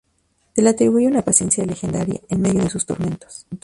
Se le atribuye una paciencia legendaria, en medio de sus tormentos.